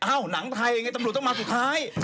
อ้าวหนังไทยไงตำรวจต้องมาสุดท้าย